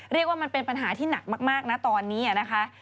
เรียกว่ามันเป็นปัญหาที่หนักมากนะตอนนี้นะคะ